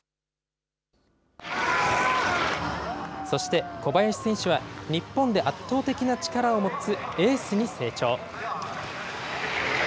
そして小林選手は、日本で圧倒的な力を持つエースに成長。